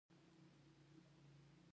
آیا هر ښار خپله نقشه نلري؟